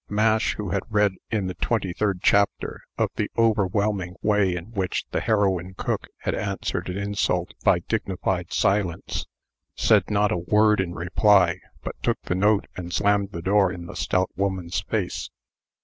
Mash, who had read, in the twenty third chapter, of the overwhelming way in which the heroine cook had answered an insult by dignified silence, said not a word in reply, but took the note, and slammed the door in the stout woman's face.